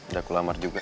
udah aku lamar juga